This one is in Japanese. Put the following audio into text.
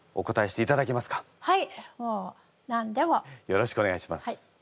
よろしくお願いします。